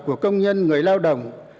của công nhân người lao động